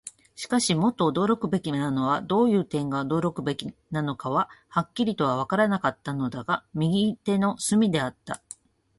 しかし、もっと驚くべきものは、どういう点が驚くべきかははっきりとはわからなかったのだが、右手の隅であった。